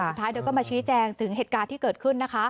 สุดท้ายเธอก็มาชี้แจงถึงเหตุการณ์ที่เกิดขึ้นนะคะ